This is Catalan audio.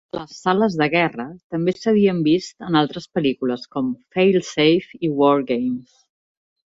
Les sales de guerra també s'havien vist en altres pel·lícules, com "Fail Safe" i "WarGames".